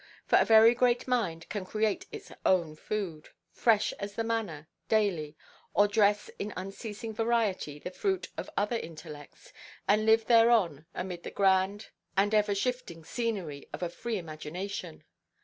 For a very great mind can create its own food, fresh as the manna, daily, or dress in unceasing variety the fruit of other intellects, and live thereon amid the grand and ever–shifting scenery of a free imagination.